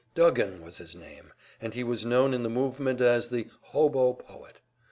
Duggan was his name, and he was known in the movement as the "hobo poet."